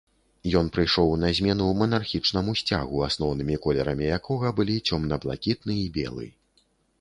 Ён прыйшоў на змену манархічнаму сцягу, асноўнымі колерамі якога былі цёмна-блакітны і белы.